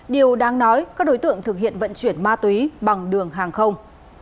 điều đáng nói các đối tượng thực hiện vận chuyển ma túy bằng đường hàng không